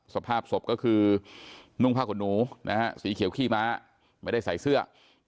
สภาพศพก็คือนุ่งผ้าขนหนูนะฮะสีเขียวขี้ม้าไม่ได้ใส่เสื้อ